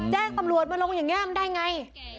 แจ้งตำรวจมาลงอย่างนี้มันได้ไง